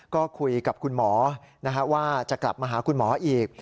ก็คุยกับคุณหมอว่าจะกลับมาหาคุณหมออีก